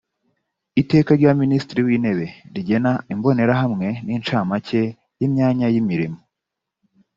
iteka rya minisitiri w intebe rigena imbonerahamwe n incamake y imyanya y imirimo